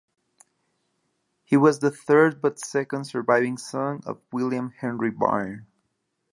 He was the third but second surviving son of William Henry Byrne.